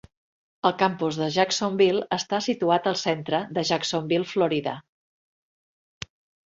El campus de Jacksonville està situat al centre de Jacksonville, Florida.